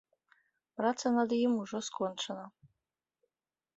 Праца над ім ужо скончана.